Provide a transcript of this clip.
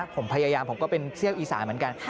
ผมพยายามผมก็เป็นเที่ยวอีสานเหมือนกัน